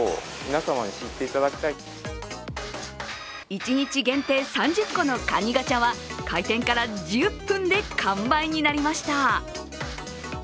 一日限定３０個の蟹ガチャは開店から１０分で完売になりました。